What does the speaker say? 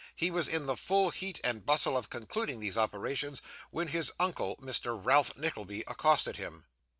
He was in the full heat and bustle of concluding these operations, when his uncle, Mr. Ralph Nickleby, accosted him.